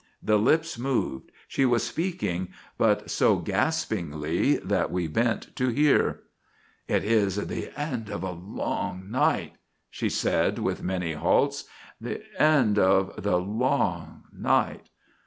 The lips moved. She was speaking, but so gaspingly that we bent to hear. "It is the end of the long night," she said with many halts; "the end of the long night.